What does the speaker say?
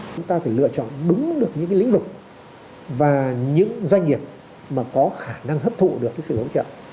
chúng ta phải lựa chọn đúng được những cái lĩnh vực và những doanh nghiệp mà có khả năng hấp thụ được cái sự hỗ trợ